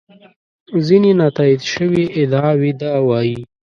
ځینې نا تایید شوې ادعاوې دا وایي.